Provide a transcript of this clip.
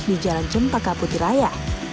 di jalan jempa kaputi raya